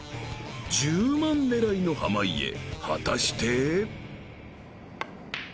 ［１０万狙いの濱家果たして］